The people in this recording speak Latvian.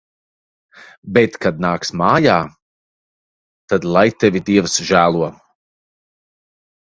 Bet kad nāks mājā, tad lai tevi Dievs žēlo.